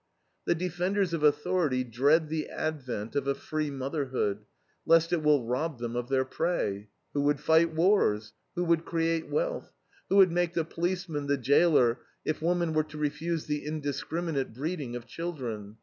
The defenders of authority dread the advent of a free motherhood, lest it will rob them of their prey. Who would fight wars? Who would create wealth? Who would make the policeman, the jailer, if woman were to refuse the indiscriminate breeding of children?